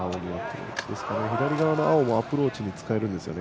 左側の青もアプローチに使えますね。